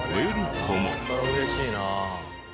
それは嬉しいな。